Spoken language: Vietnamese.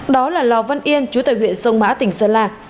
đó là lò văn yên chú tại huyện sông mã tỉnh sơn la